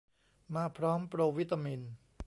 มาพร้อมโปรวิตามิน